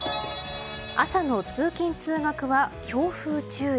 朝の通勤・通学は強風注意。